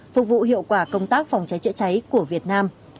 phục vụ hiệu quả công tác phòng cháy chữa cháy của việt nam